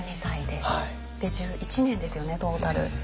で１１年ですよねトータル。